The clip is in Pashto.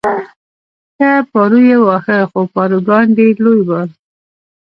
ښه پارو یې واهه، خو پاروګان ډېر لوی ول.